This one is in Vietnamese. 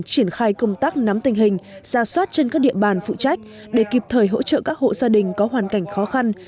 triển khai công tác nắm tình hình ra soát trên các địa bàn phụ trách để kịp thời hỗ trợ các hộ gia đình có hoàn cảnh khó khăn